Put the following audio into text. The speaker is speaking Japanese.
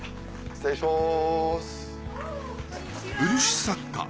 失礼します。